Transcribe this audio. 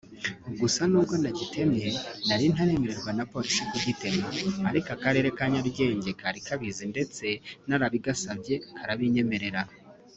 gusa nubwo nagitemye nari ntaremererwa na Polisi kugitema ariko Akarere ka Nyarugenge kari Kabizi ndetse narabigasabye karabinyemerera